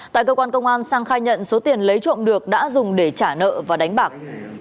tại cơ quan công an sang khai nhận số tiền lấy trộm được đã dùng để trả nợ và đánh bạc